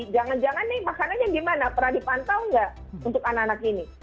jangan jangan nih makanannya gimana pernah dipantau nggak untuk anak anak ini